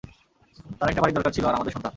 তার একটা বাড়ির দরকার ছিলো আর আমাদের সন্তান।